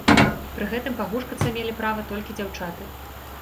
Пры гэтым пагушкацца мелі права толькі дзяўчаты.